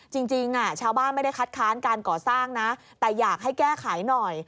จริงชาวบ้านไม่ได้คัดค้านการก่อสร้างนะแต่อยากให้แก้ไขหน่อย